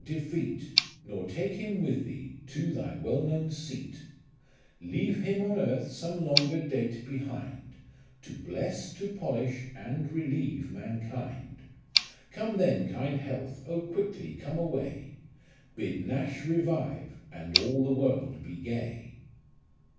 defeat ; Nor take him with thee, to thy well known seat ; Leave him on earth some longer date behind, To bless, to polish, and relieve mankind : Come then kind Health ! quickly come away, Bid Nash revive and all the world be gay."